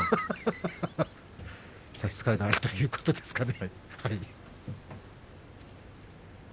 差し支えがあるということですかね、やはり。